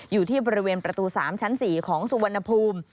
อยู่ที่บริเวณประตู๓ชั้น๔ของสุวรรณภูมิ